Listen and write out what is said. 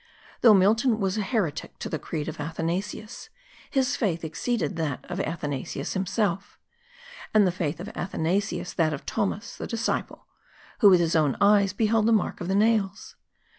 Though Milton was a heretic to the creed of Athanasius, his faith exceeded that of Athanasius himself; and the faith of Athanasius that of Thomas, 'the disciple, who with his own eyes beheld the mark of the nails.